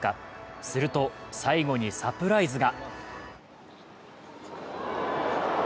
すると、最後にサプライズが。